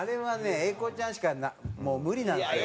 英孝ちゃんしかもう無理なんですよ